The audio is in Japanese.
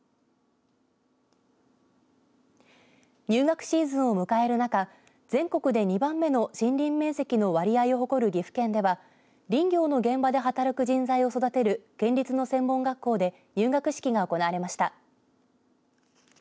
入学シーズンを迎える中全国で２番目の森林面積の割合を誇る岐阜県では林業の現場で働く人材を育てる県立の専門学校で入学式が行われました。